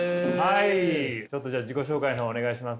ちょっと自己紹介の方お願いします。